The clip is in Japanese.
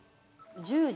「１０時！